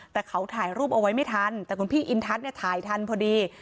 แต่เขาถ่ายรูปเอาไว้ไม่ทันแต่คุณพี่อินทัศน์เนี่ยถ่ายทันพอดี